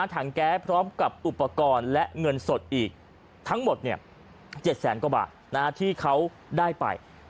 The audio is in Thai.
ถังแก๊สพร้อมกับอุปกรณ์และเงินสดอีกทั้งหมด๗แสนกว่าบาทที่เขาได้ไป